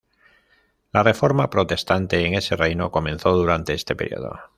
La Reforma protestante en ese reino comenzó durante este período.